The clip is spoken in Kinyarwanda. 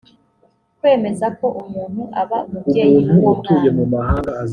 kwemeza ko umuntu aba umubyeyi w uwo mwana